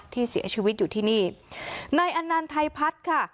ที่เสียชีวิตอยู่ที่นี้ในนานไทพรัตน์ค่ะ